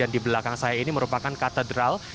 dan di belakang saya ini merupakan katedral